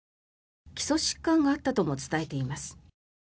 基礎疾患があったとも伝えています。